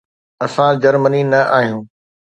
اسان جرمني نه آهيون.